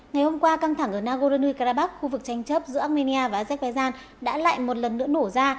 ngày hôm qua căng thẳng ở nagorno karabakh khu vực tranh chấp giữa armenia và azerbaijan đã lại một lần nữa nổ ra